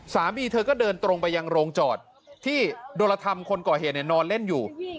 สามีเธอก็เดินตรงไปยังโรงจอดที่โดรธรรมคนก่อเหตุนอนเล่นอยู่